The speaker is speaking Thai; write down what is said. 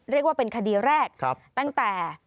เรียกว่าเป็นคดีแรกตั้งแต่